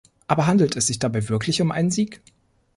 Aber handelt es sich dabei wirklich um einen Sieg?